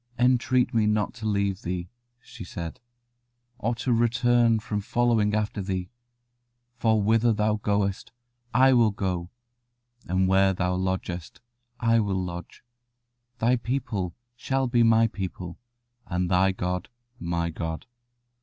"Entreat me not to leave thee," she said, "or to return from following after thee: for whither thou goest, I will go; and where thou lodgest, I will lodge: thy people shall be my people, and thy God my God.